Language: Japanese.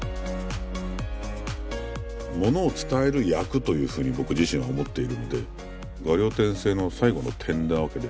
ものを伝える役というふうに僕自身は思っているので「画竜点睛」の最後の点なわけで。